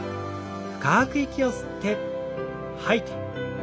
深く息を吸って吐いて。